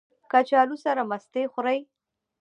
کچالو سره مستې ښه خوري